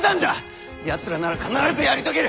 やつらなら必ずやり遂げる！